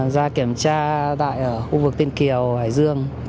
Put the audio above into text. ra kiểm tra tại khu vực tỉnh hải dương